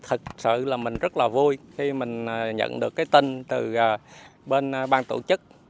thật sự là mình rất là vui khi mình nhận được cái tin từ bên bang tổ chức